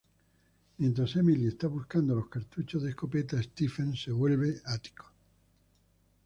Mientras Emily está buscando los cartuchos de escopeta Stephen se vuelve ático.